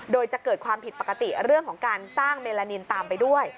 โดยจะเกิดความผิดปกติเรื่องของการสร้างเมลานินตามไปด้วย